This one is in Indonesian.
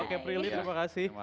oke prilly terima kasih